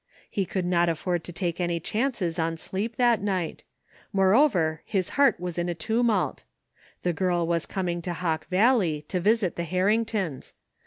He could not afford to take any chances on sleep that night ; more over his heart was in a tumult This girl was coming to Hawk Valley, to visit the Harringtons.